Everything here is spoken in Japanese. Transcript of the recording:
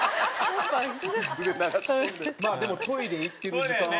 まあでもトイレ行ってる時間は。